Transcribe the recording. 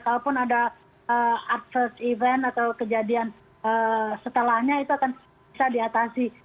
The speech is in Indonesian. kalaupun ada adverse event atau kejadian setelahnya itu akan bisa diatasi